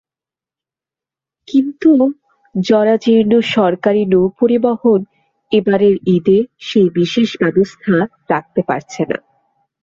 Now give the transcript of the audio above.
কিন্তু জরাজীর্ণ সরকারি নৌপরিবহন এবারের ঈদে সেই বিশেষ ব্যবস্থা রাখতে পারছে না।